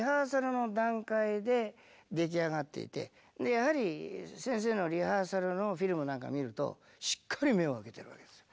やはり先生のリハーサルのフィルムなんか見るとしっかり目を開けてるわけですよ。